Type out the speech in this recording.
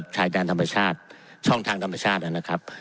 ชายแดนธรรมชาติช่องทางธรรมชาตินะครับ